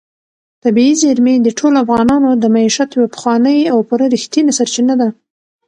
طبیعي زیرمې د ټولو افغانانو د معیشت یوه پخوانۍ او پوره رښتینې سرچینه ده.